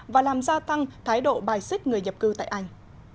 và làm gia tăng thái độ bài xích người nhập cư tại anh